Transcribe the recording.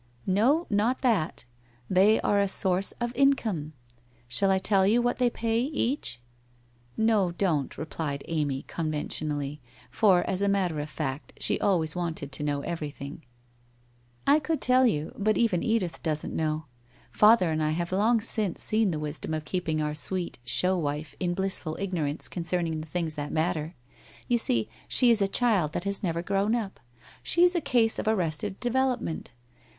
1 No, not that. They are a source of income. Shall I tell you what they pay each ?'* No, don't/ replied Amy, conventionally, for, as a mat ter of fact, she always wanted to know everything. WHITE ROSE OF WEARY LEAF 69 ' I could tell you, but even Edith doesn't know. Father and I have long since seen the wisdom of keeping our sweet show wife in blissful ignorance concerning the things that matter. You see, she is a child that has never grown up. She's a case of arrested development.